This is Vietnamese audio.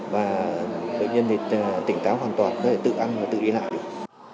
và bệnh nhân thì tỉnh táo hoàn toàn có thể tự ăn và tự đi lại được